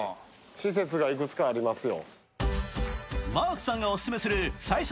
施設がいくつかありますよ。